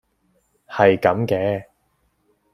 係咁嘅